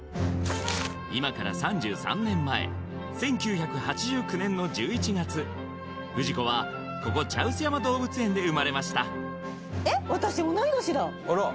今から３３年前１９８９年の１１月フジコはここ茶臼山動物園で生まれましたえっ！？